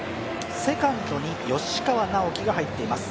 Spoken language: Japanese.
セカンドに吉川尚輝が入っています。